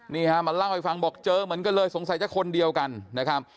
นี่ฮะมาเล่าให้ฟังบอกเจอเหมือนกันเลยสงสัยจะคนเดียวกันนะครับ